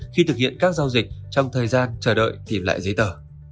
khi thực hiện các giao dịch trong thời gian chờ đợi tìm lại giấy tờ